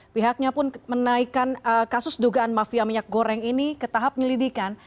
pihaknya pun menaikkan kasus dugaan mafia minyak goreng ini ke tahap penyelidikan